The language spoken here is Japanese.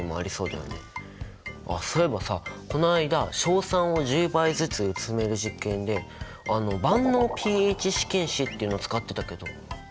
あっそういえばさこの間硝酸を１０倍ずつ薄める実験であの万能ｐＨ試験紙っていうのを使ってたけどあれは何なの？